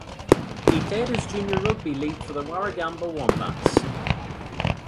He played his junior rugby league for the Warragamba Wombats.